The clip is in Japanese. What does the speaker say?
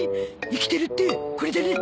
生きてるってこれだね！